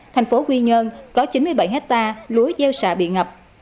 thành phố quy nhơn có chín mươi bảy hectare lúa gieo xạ bị ngập